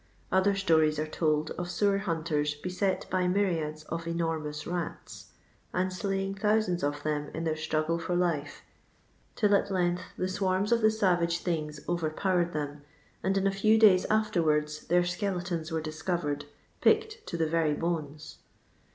Other stories are told of sewer hunters beset by myriads of enormous rats, and slaying thousands of them in their struggle fat life, till at lenffth the swarms of the savage things overpowered them, and in a few days afterwards their skeletons were discovered picked to the very bones.